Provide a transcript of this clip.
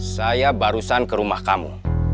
saya barusan ke rumah kamu